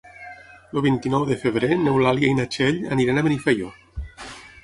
El vint-i-nou de febrer n'Eulàlia i na Txell aniran a Benifaió.